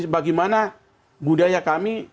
bagaimana budaya kami